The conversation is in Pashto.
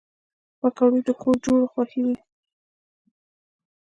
پکورې د کور جوړو خوښېږي